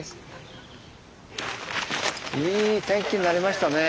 いい天気になりましたね。